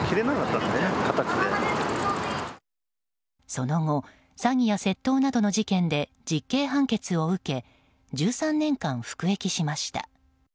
その後、詐欺や窃盗などの事件で実刑判決を受け１３年間、服役しました。